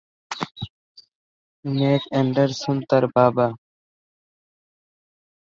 Mac Anderson তার বাবা।